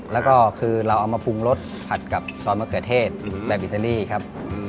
แล้วก็คือเราเอามาปรุงรสผัดกับซอสมะเขือเทศแบบอิตาลีครับ